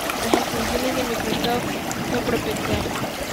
Las extensiones de Microsoft son propietarias.